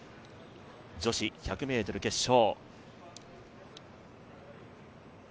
女子１００ｍ決勝。